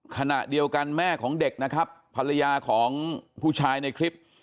ขณะเดียวกันแม่ของเด็กนะครับภรรยาของผู้ชายในคลิป